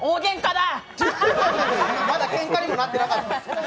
まだけんかにもなってなかった。